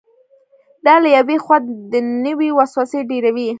دا له یوې خوا دنیوي وسوسې ډېروي.